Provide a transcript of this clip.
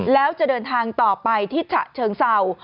แล้วจะเดินทางต่อไปที่ฉะเชิงเศร้า